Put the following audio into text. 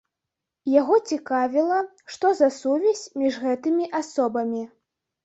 Яго цікавіла, што за сувязь між гэтымі асобамі.